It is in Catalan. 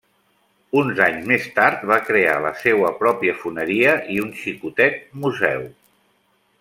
Uns anys més tard, va crear la seua pròpia foneria i un xicotet museu.